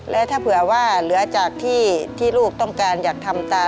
และถ้าเผื่อว่าเหลือจากที่ลูกต้องการอยากทำตา